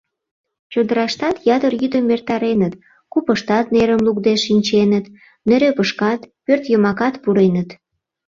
Чодыраштат ятыр йӱдым эртареныт, купыштат нерым лукде шинченыт, нӧрепышкат, пӧртйымакат пуреныт.